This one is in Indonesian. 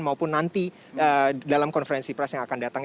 maupun nanti dalam konferensi pres yang akan datang